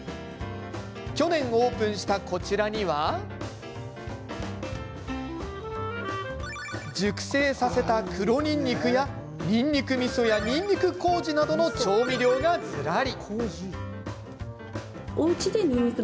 去年オープンした、こちらには熟成させた黒にんにくやにんにくみそやにんにくこうじなどの調味料がずらり。